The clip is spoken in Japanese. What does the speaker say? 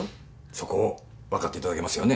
そこをわかっていただけますよね。